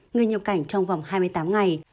người nhập cảnh trong vòng hai mươi tám ngày